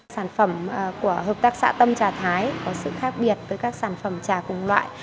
sản phẩm của hợp tác xã tâm trà thái có sự khác biệt với các sản phẩm trà cùng loại